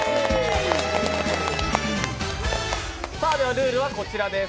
ルールはこちらです。